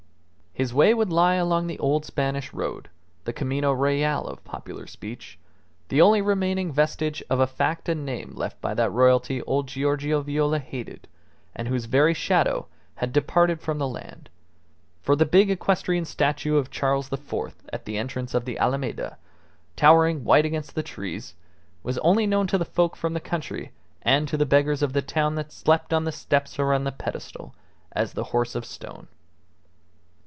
His way would lie along the old Spanish road the Camino Real of popular speech the only remaining vestige of a fact and name left by that royalty old Giorgio Viola hated, and whose very shadow had departed from the land; for the big equestrian statue of Charles IV. at the entrance of the Alameda, towering white against the trees, was only known to the folk from the country and to the beggars of the town that slept on the steps around the pedestal, as the Horse of Stone.